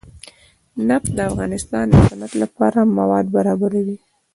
نفت د افغانستان د صنعت لپاره مواد برابروي.